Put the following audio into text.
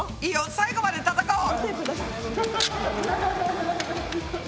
最後まで闘おう！